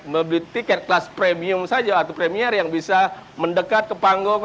membeli tiket kelas premium saja atau premier yang bisa mendekat ke panggung